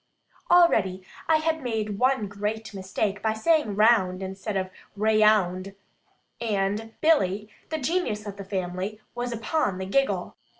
Already, I had made one great mistake, by saying "round" instead of "raound," and Billy, the genius of the family, was upon the giggle.